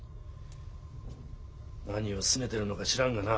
何をすねてるのか知らんがな。